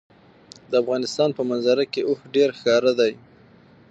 د افغانستان په منظره کې اوښ ډېر ښکاره دی.